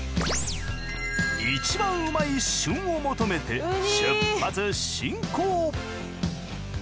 一番うまい旬を求めて出発進行！